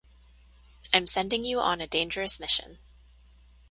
I'm sending you on a dangerous mission.